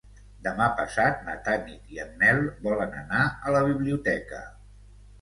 Demà passat na Tanit i en Nel volen anar a la biblioteca.